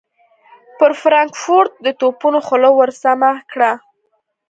پر فرانکفورټ د توپونو خوله ور سمهکړه.